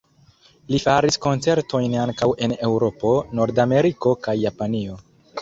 Li faris koncertojn ankaŭ en Eŭropo, Nord-Ameriko kaj Japanio.